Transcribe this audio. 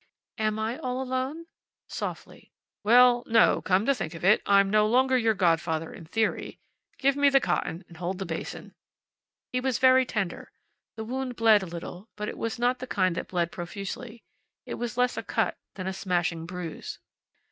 "Am I all alone?" softly. "Well, no; come to think of it, I'm no longer your godfather in theory. Give me the cotton and hold the basin." He was very tender. The wound bled a little; but it was not the kind that bled profusely. It was less a cut than a smashing bruise.